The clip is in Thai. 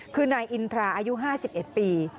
คือนายอินทราอายุ๕๑ปี